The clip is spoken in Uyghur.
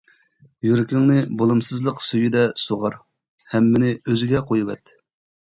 يۈرىكىڭنى بولۇمسىزلىق سۈيىدە سۇغار، ھەممىنى ئۆزىگە قويۇۋەت.